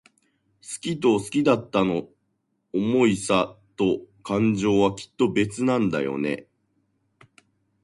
好きと好きだったの想さと感情は、きっと別なんだよね。